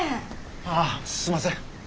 ああすいません。